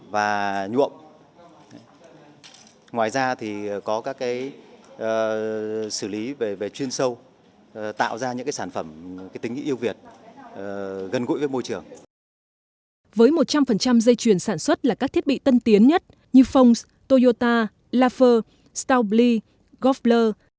với một trăm linh dây chuyền sản xuất là các thiết bị tân tiến nhất như phong s toyota lafer staubli golf blur